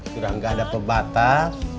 sudah enggak ada pebatas